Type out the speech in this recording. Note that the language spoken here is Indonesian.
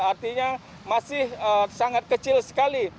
artinya masih sangat kecil sekali